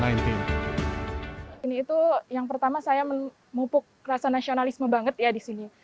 ini itu yang pertama saya memupuk rasa nasionalisme banget ya di sini